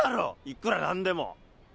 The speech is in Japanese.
いくら何でも。